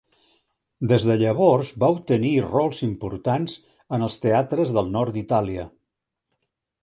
Des de llavors va obtenir rols importants en els teatres del nord d'Itàlia.